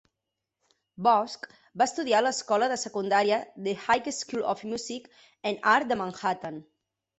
Busch va estudiar a l'escola de secundària The High School of Music and Art de Manhattan.